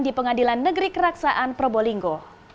di pengadilan negeri keraksaan probolinggo